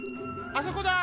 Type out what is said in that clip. あそこだ！